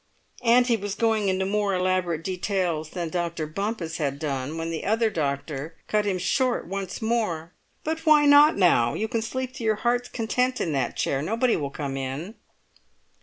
And he was going into more elaborate details than Dr. Bompas had done, when the other doctor cut him short once more. "But why not now? You can sleep to your heart's content in that chair; nobody will come in."